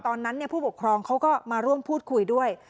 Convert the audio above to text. ตอนนั้นผู้ปกครองเขาก็มาร่วมพูดคุยด้วย